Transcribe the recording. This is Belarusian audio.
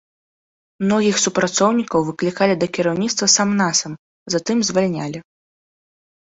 Многіх супрацоўнікаў выклікалі да кіраўніцтва сам-насам, затым звальнялі.